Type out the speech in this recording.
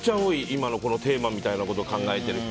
今のテーマみたいなこと考えてる人。